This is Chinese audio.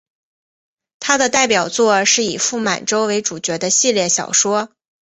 他的代表作是以傅满洲为主角的系列小说。